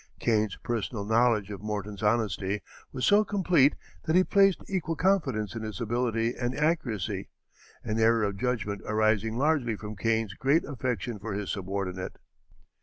Kane's personal knowledge of Morton's honesty was so complete that he placed equal confidence in his ability and accuracy, an error of judgment arising largely from Kane's great affection for his subordinate.